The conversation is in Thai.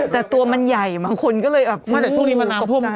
แต่ตัวมันใหญ่บางคนก็เลยอาบพูดก็ใจ